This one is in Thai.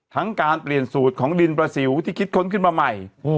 การเปลี่ยนสูตรของดินประสิวที่คิดค้นขึ้นมาใหม่